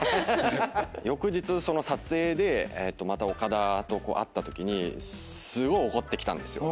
翌日その撮影でまた岡田と会ったときにすごい怒ってきたんですよ。